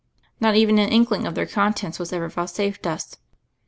Not even an inkling of their contents was ever vouchsafed us.